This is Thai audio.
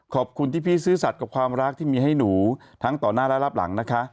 ขอบคุณที่พี่ซื่อสัตว์กับความรักที่มีให้หนูทั้งต่อหน้าและรับหลังนะคะ